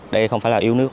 đây không phải là yếu nước